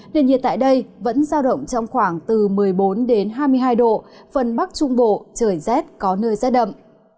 nền nhiệt tại đây vẫn giao động trong khoảng từ một mươi bốn hai mươi hai độ phần bắc trung bộ trời rét có nơi rét đậm